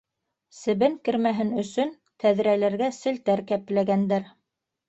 Себен кермәһен өсөн, тәҙрәләргә селтәр кәпләгәндәр.